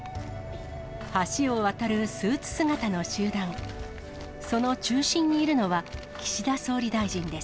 橋を渡るスーツ姿の集団、その中心にいるのは、岸田総理大臣です。